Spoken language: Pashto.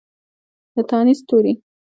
د تانیث توري